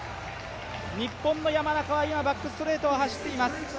日本の山中は今、バックストレートを走っています。